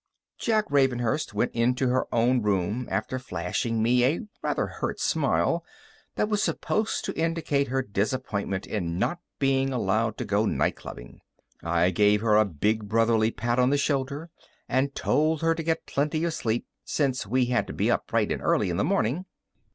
Jack Ravenhurst went into her own room after flashing me a rather hurt smile that was supposed to indicate her disappointment in not being allowed to go nightclubbing. I gave her a big brotherly pat on the shoulder and told her to get plenty of sleep, since we had to be up bright and early in the morning.